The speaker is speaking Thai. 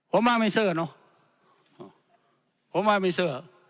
ผมว่าไม่เส้อเนอะผมว่าไม่เส้อ